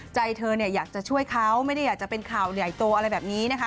ใจเธอเนี่ยอยากจะช่วยเขาไม่ได้อยากจะเป็นข่าวใหญ่โตอะไรแบบนี้นะคะ